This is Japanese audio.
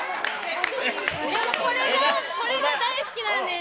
でもこれが大好きなんです。